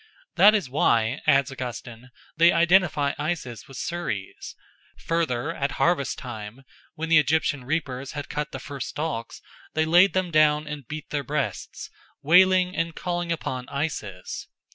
That is why, adds Augustine, they identify Isis with Ceres. Further, at harvest time, when the Egyptian reapers had cut the first stalks, they laid them down and beat their breasts, wailing and calling upon Isis.